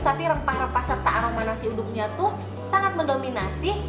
tapi rempah rempah serta aroma nasi uduknya tuh sangat mendominasi